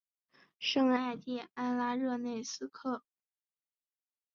圣艾蒂安拉热内斯特。